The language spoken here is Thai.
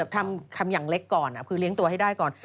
ทำอย่างเล็กก่อนคือเลี้ยงตัวให้ได้ก่อน